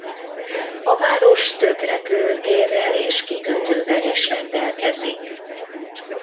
A város több repülőtérrel és kikötővel is rendelkezik.